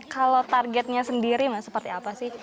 kalau targetnya sendiri seperti apa sih